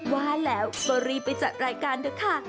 ว่าแล้วก็รีบไปจัดรายการเถอะค่ะ